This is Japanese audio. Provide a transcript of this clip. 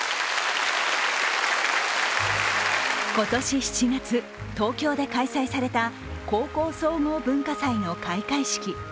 今年７月、東京で開催された高校総合文化祭の開会式。